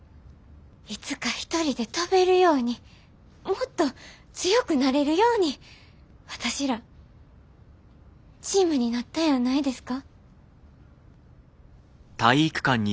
いつか一人で飛べるようにもっと強くなれるように私らチームになったんやないですか？